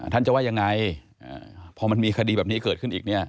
ท่านจะว่ายังไงพอมันมีคดีแบบนี้เกิดขึ้นอีกเนี่ย